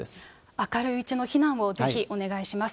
明るいうちの避難をぜひお願いします。